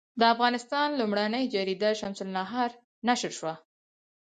د افغانستان لومړنۍ جریده شمس النهار نشر شوه.